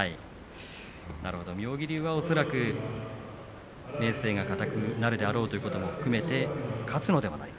なるほど、妙義龍は恐らく明生が硬くなるであろうということも含めて勝つのではないか。